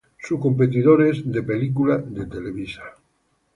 Su competidor es De Película, de Televisa.